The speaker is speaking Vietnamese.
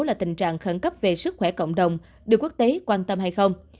là tình trạng khẩn cấp về sức khỏe cộng đồng được quốc tế quan tâm hay không